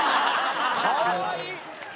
かわいい！